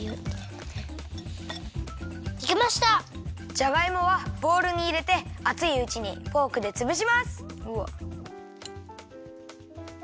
じゃがいもはボウルにいれてあついうちにフォークでつぶします。